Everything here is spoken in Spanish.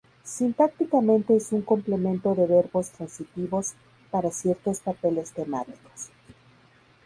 Sintácticamente es un complemento de verbos transitivos para ciertos papeles temáticos.